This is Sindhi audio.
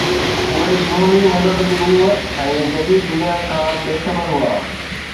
اهي جنوني مذهب جي روح ۽ جديد دنيا کان بي خبر هئا